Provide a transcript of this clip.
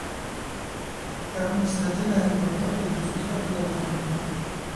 Per ogni stagione è riportato il risultato della finale.